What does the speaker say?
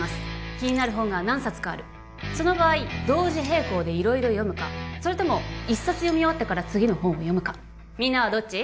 気になる本が何冊かあるその場合同時並行で色々読むかそれとも一冊読み終わってから次の本を読むかみんなはどっち？